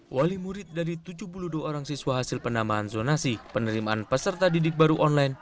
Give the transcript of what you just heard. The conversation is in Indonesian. wali murid dari tujuh puluh dua orang siswa hasil penambahan zonasi penerimaan peserta didik baru online